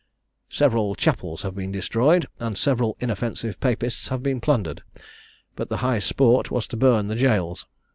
"Several chapels have been destroyed, and several inoffensive Papists have been plundered: but the high sport was to burn the gaols.